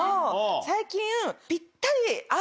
最近。